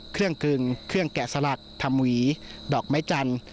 เครื่องกึ่งเครื่องแกะสลักทำหวีดอกไม้จัน